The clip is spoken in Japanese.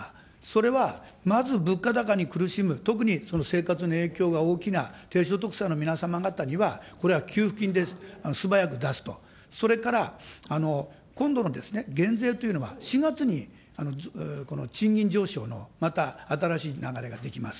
それは、まず物価高に苦しむ、特に生活に影響が大きな低所得者の皆様方には、これは給付金で素早く出すと、それから、今度の減税というのは、４月に賃金上昇のまた新しい流れが出来ます。